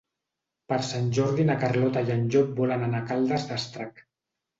Per Sant Jordi na Carlota i en Llop volen anar a Caldes d'Estrac.